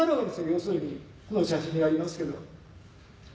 要するにこの写真にありますけど。